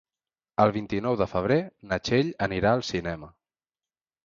El vint-i-nou de febrer na Txell anirà al cinema.